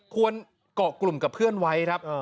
เกาะกลุ่มกับเพื่อนไว้ครับ